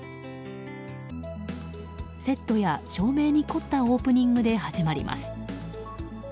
セットや照明に凝ったオープニングで始まります。